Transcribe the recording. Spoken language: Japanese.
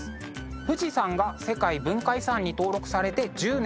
富士山が世界文化遺産に登録されて１０年。